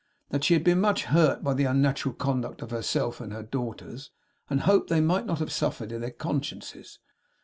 That she had been much hurt by the unnatural conduct of herself and daughters, and hoped they might not have suffered in their consciences.